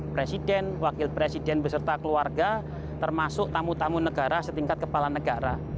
presiden wakil presiden beserta keluarga termasuk tamu tamu negara setingkat kepala negara